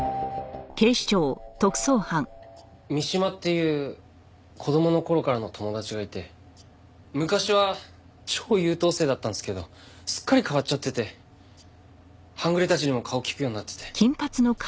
三島っていう子供の頃からの友達がいて昔は超優等生だったんですけどすっかり変わっちゃってて半グレたちにも顔利くようになってて。